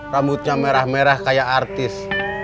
rambutnya merah merah kayak artis